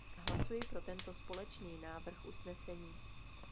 Hlasuji pro tento společný návrh usnesení.